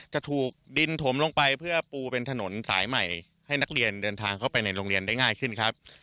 จะถูกดินถมลงไปเพื่อปูเป็นถนนสายใหม่ให้นักเรียนเดินทางเข้าไปในโรงเรียนได้ง่ายขึ้นครับ